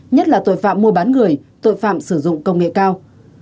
nhất là tội phạm mua bán người tội phạm sử dụng công nghệ cao